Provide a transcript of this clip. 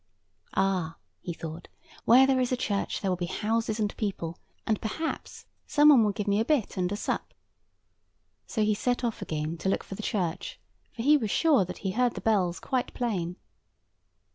"Ah!" he thought, "where there is a church there will be houses and people; and, perhaps, some one will give me a bit and a sup." So he set off again, to look for the church; for he was sure that he heard the bells quite plain.